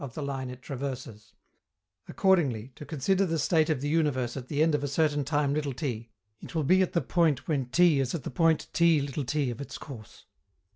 of the line it traverses. Accordingly, to consider the state of the universe at the end of a certain time t, is to examine where it will be when T is at the point T_t of its course.